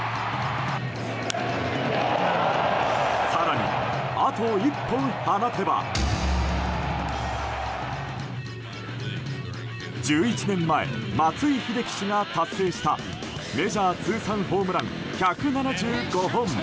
更に、あと１本放てば１１年前、松井秀喜氏が達成したメジャー通算ホームラン１７５本。